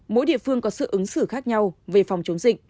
mỗi địa phương có sự ứng xử khác nhau về phòng chống dịch